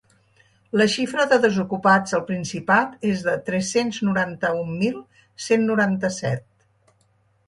La xifra de desocupats al Principat és de tres-cents noranta-un mil cent noranta-set.